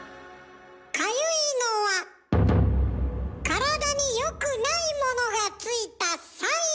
かゆいのは体に良くないものがついたサイン。